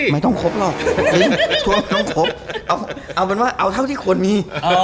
ไม่ต้องครบเหรอเอาเท่าที่ควรมี